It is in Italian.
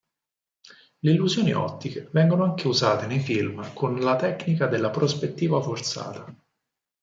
Le illusioni ottiche vengono anche usate nei film con la tecnica della prospettiva forzata.